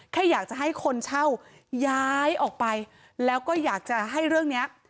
แค่อยากจะให้คนเช่าย้ายออกไปแล้วก็อยากจะให้เรื่องนี้